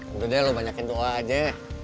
tentu deh lo banyakin doa aja